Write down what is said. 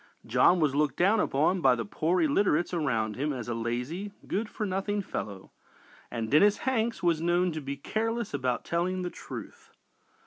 John was looked down upon by the poor illiterates around him as a lazy, good for nothing fellow, and Dennis Hanks was known to be careless about telling the truth.